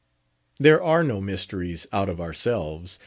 There are no mysteries out of ourselves.